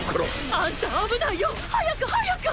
アンタ危ないよ。早く早く。